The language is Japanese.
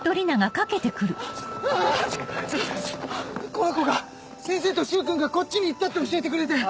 この子が先生と柊君がこっちに行ったって教えてくれて。